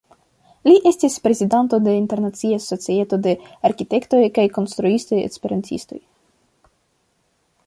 Li estis prezidanto de Internacia Societo de Arkitektoj kaj Konstruistoj Esperantistoj.